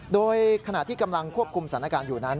โดยขณะที่กำลังควบคุมสถานการณ์อยู่นั้น